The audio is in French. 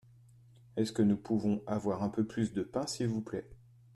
Est-ce que nous pouvons avoir un peu plus de pain s'il vous plait ?